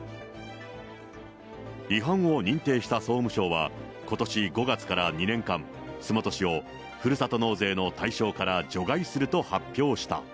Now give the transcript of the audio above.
違反を認定した総務省は、ことし５月から２年間、洲本市をふるさと納税の対象から除外すると発表した。